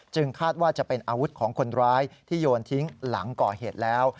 คาดว่าจะเป็นอาวุธของคนร้ายที่โยนทิ้งหลังก่อเหตุแล้ว